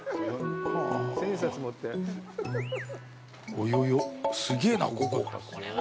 およよ、すげえな、ここ。